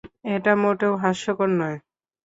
এটা মোটেও হাস্যকর নয়!